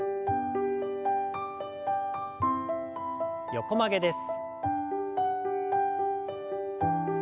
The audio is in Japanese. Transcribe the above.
横曲げです。